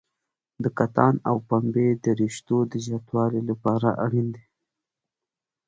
د کتان او پنبې د رشتو د زیاتوالي لپاره اړین دي.